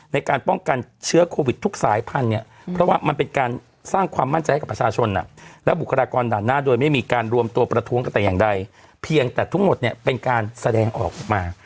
ในการป้องกันเชื้อโควิดทุกสายพันธุ์เนี่ยเพราะว่ามันเป็นการสร้างความมั่นใจให้กับประชาชนและบุคลากรด่านหน้าโดยไม่มีการรวมตัวประท้วงกันแต่อย่างใดเพียงแต่ทั้งหมดเนี่ยเป็นการแสดงออกมา